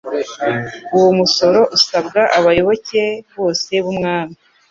uwo musoro usabwa abayoboke bose b'umwami.